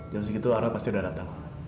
jam segitu aurel pasti udah dateng